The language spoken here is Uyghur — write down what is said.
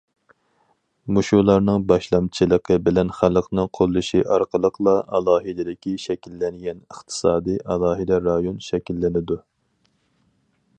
مۇشۇلارنىڭ باشلامچىلىقى بىلەن خەلقنىڭ قوللىشى ئارقىلىقلا ئالاھىدىلىكى شەكىللەنگەن ئىقتىسادى ئالاھىدە رايون شەكىللىنىدۇ.